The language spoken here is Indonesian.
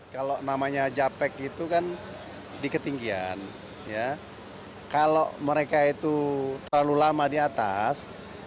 kalau namanya japek itu kan di ketinggian kalau mereka itu terlalu lama di atas